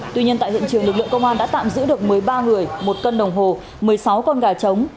tuy nhiên tại hiện trường lực lượng công an đã tạm giữ được một mươi ba người một cân đồng hồ một mươi sáu con gà trống